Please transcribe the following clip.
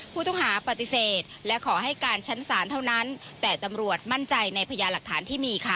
ผู้ต้องหาปฏิเสธและขอให้การชั้นศาลเท่านั้นแต่ตำรวจมั่นใจในพญาหลักฐานที่มีค่ะ